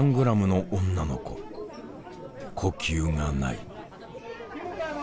呼吸がない。